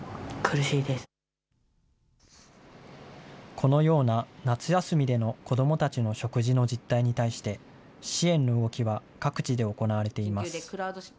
このような夏休みでの子どもたちの食事の実態に対して、支援の動きは各地で行われています。